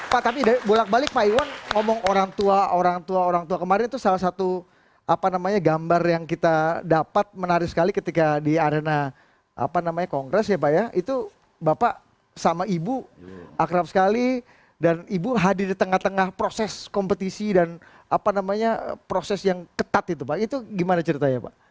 pak tapi bolak balik pak iwan ngomong orang tua orang tua orang tua kemarin itu salah satu apa namanya gambar yang kita dapat menarik sekali ketika di arena apa namanya kongres ya pak ya itu bapak sama ibu akrab sekali dan ibu hadir di tengah tengah proses kompetisi dan apa namanya proses yang ketat itu pak itu gimana ceritanya pak